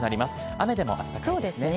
雨でも暖かいですね。